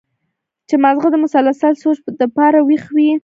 چې مازغه د مسلسل سوچ د پاره وېخ وي